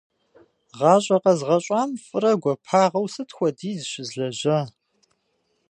ГъащӀэ къэзгъэщӀам фӀырэ гуапагъэу сыт хуэдиз щызлэжьа?